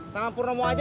sama pur nomo aja ya